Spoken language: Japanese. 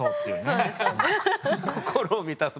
心を満たす。